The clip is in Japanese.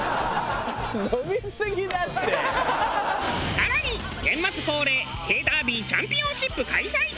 さらに年末恒例へぇダービーチャンピオンシップ開催！